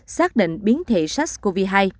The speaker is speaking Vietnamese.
xác định biến thể sars cov hai